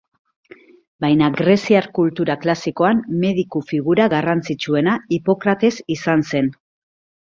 Baina greziar kultura klasikoan mediku figura garrantzitsuena Hipokrates izan zen.